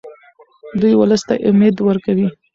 دی ولس ته امید ورکوي.